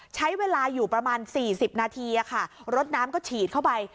ใช้เวลาอยู่ประมาณ๔๐นาทีรถน้ำก็ฉีดเข้าไป